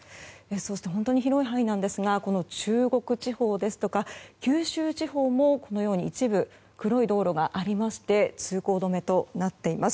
そして本当に広い範囲なんですが中国地方ですとか九州地方も一部、黒い道路がありまして通行止めとなっています。